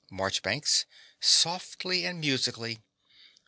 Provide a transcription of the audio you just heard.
MARCHBANKS (softly and musically).